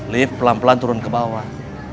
lift pelan pelan turun ke bawah